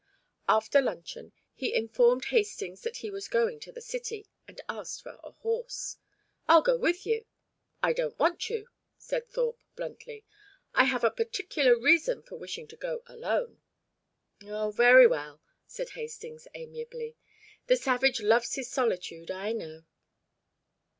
After luncheon, he informed Hastings that he was going to the city, and asked for a horse. "I'll go with you " "I don't want you," said Thorpe, bluntly. "I have a particular reason for wishing to go alone." "Oh, very well," said Hastings, amiably. "The savage loves his solitude, I know."